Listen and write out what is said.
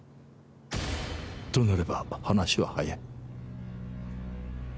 となれば話は早い。